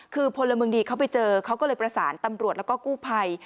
คือพลเมืองดีเขาไปเจอเขาก็เลยประสานตำรวจแล้วก็กู้ภัย